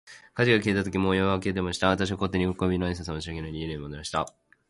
火事が消えたとき、もう夜は明けていました。私は皇帝に、よろこびの挨拶も申し上げないで、家に戻りました。